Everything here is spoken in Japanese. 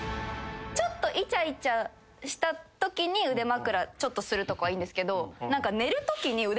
ちょっといちゃいちゃしたときに腕まくらちょっとするとかはいいんですけど。